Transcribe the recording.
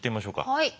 はい。